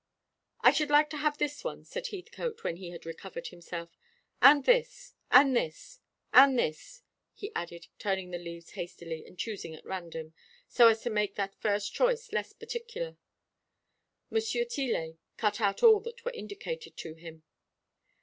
"I should like to have this one," said Heathcote, when he had recovered himself, "and this, and this, and this," he added, turning the leaves hastily, and choosing at random, so as to make that first choice less particular. Monsieur Tillet cut out all that were indicated to him.